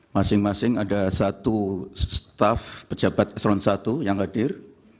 masing masing ada satu staf pejabat eselon i yang hadir